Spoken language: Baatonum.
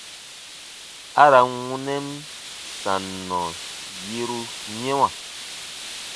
A ra n wunɛn sannɔ yeru yɛ̃wa.